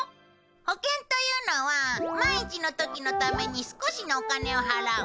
保険というのは万一の時のために少しのお金を払う。